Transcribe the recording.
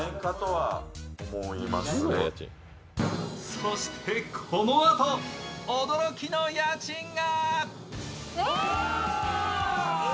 そしてこのあと、驚きの家賃が。